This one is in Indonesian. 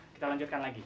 kita lanjutkan lagi